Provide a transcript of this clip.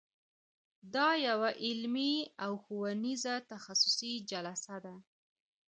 دا یوه علمي او ښوونیزه تخصصي جلسه ده.